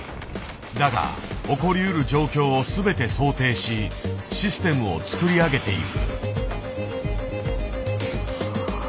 だが起こりうる状況を全て想定しシステムを作り上げていく。